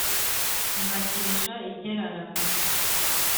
ngakesha igiraramo